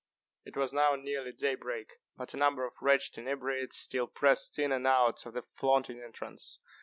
It was now nearly day break; but a number of wretched inebriates still pressed in and out of the flaunting entrance.